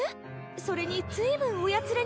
それにずいぶんおやつれになって。